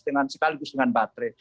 dengan sekaligus dengan baterai